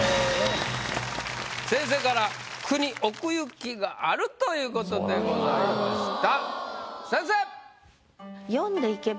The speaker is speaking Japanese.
先生から「句に奥行きがある！」ということでございました。